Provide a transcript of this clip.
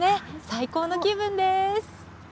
最高の気分です。